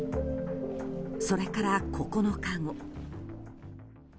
それから９日後。